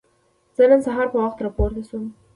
زه نن سهار په وخت راپورته شوم.